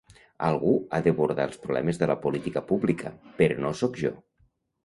Algú ha d'abordar els problemes de la política pública, però no sóc jo.